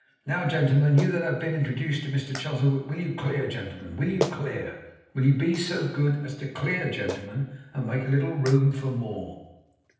Now, gentlemen you that have been introduced to Mr Chuzzlewit, will you clear gentlemen? Will you clear? Will you be so good as clear, gentlemen, and make a little room for more?